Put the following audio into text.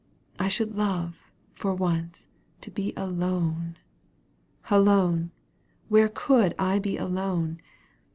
I should love, for once, to be alone. Alone! where could I be alone?